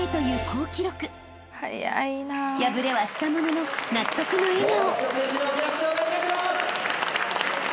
［敗れはしたものの納得の笑顔］